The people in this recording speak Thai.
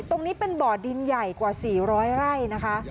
ตรงนี้เป็นบ่อดินใหญ่กว่า๔๐๐ไร่นะคะ